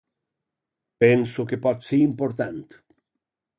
Penso que pot ser important.